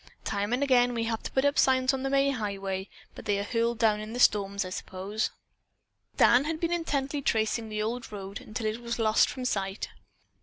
Time and again we have put up signs on the main highway, but they are hurled down in the storms, I suppose." Dan had been intently tracing the old road until it was lost from sight.